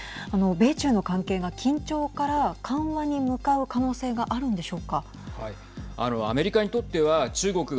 米中の関係が緊張から緩和に向かう可能性があるんでしょうか。